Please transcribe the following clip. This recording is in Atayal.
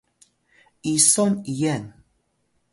Iso iyen